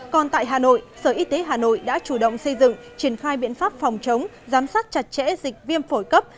còn tại hà nội sở y tế hà nội đã chủ động xây dựng triển khai biện pháp phòng chống giám sát chặt chẽ dịch viêm phổi cấp